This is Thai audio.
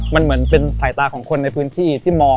มันเหมือนเป็นสายตาของคนในพื้นที่ที่มอง